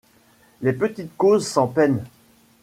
Les petites causes sans peine